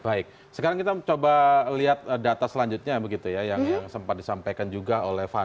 baik sekarang kita coba lihat data selanjutnya begitu ya yang sempat disampaikan juga oleh fani